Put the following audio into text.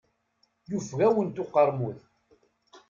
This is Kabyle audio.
Yufeg-awent uqermud.